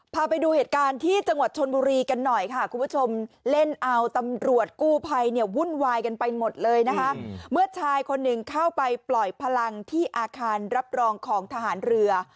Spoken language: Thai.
พาไปดูเหตุการณ์ที่จังหวัดชนบุรีกันหน่อยค่ะคุณผู้ชมเล่นเอาตำรวจกู้ภัยเนี่ยวุ่นวายกันไปหมดเลยนะคะเมื่อชายคนหนึ่งเข้าไปปล่อยพลังที่อาคารรับรองของทหารเรือ